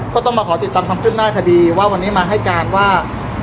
พี่แจงในประเด็นที่เกี่ยวข้องกับความผิดที่ถูกเกาหา